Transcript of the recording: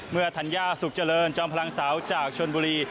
ธัญญาสุขเจริญจอมพลังสาวจากชนบุรี